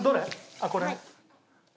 あっこれね。